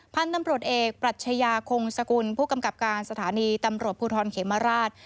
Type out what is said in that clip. พันธุ์ตำรวจเอกปรัชญาคงสกุลผู้กำกับการสถานีตำรวจภูทรเขมราช